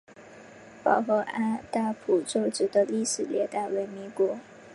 宝和按当铺旧址的历史年代为民国。